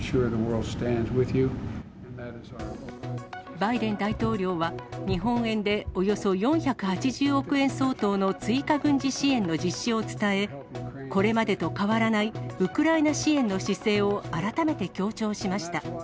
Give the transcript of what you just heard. バイデン大統領は、日本円でおよそ４８０億円相当の追加軍事支援の実施を伝え、これまでと変わらない、ウクライナ支援の姿勢を改めて強調しました。